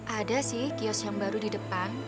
ada sih kios yang baru di depan